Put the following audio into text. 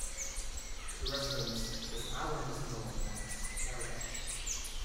To the residents, this island is known as 'Paradise.